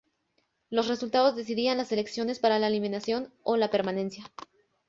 Los resultados decidían las selecciones para la eliminación o la permanencia.